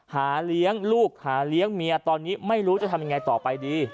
หาเลี้ยงลูกหาเลี้ยงเมียตอนนี้ไม่รู้จะทำยังไงต่อไปดี